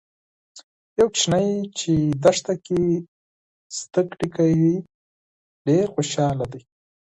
یو ماشوم چې دښته کې زده کړې کوي، ډیر خوشاله دی.